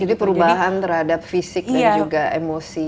jadi perubahan terhadap fisik dan juga emosi